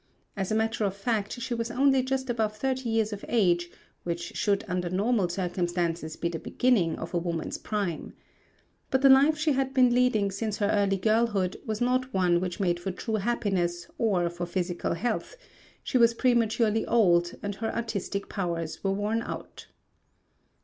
As a matter of fact, she was only just above thirty years of age, which should under normal circumstances be the beginning of a woman's prime. But the life she had been leading since her early girlhood was not one which made for true happiness or for physical health; she was prematurely old, and her artistic powers were worn out.